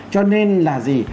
cho nên là gì